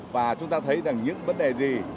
và chúng ta thấy rằng những vấn đề gì